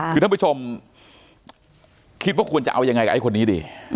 คือท่านผู้ชมคิดว่าควรจะเอายังไงกับไอ้คนนี้ดี